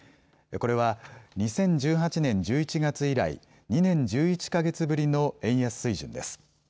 これは２０１８年１１月以来、２年１１か月ぶりの円安水準です。